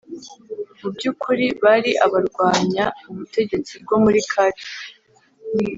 mubyukuri bari abarwanya ubutegetsi bwomuri cadi